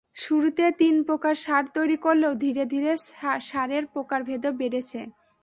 শুরুতে তিন প্রকার সার তৈরি করলেও ধীরে ধীরে সারের প্রকারভেদও বেড়েছে।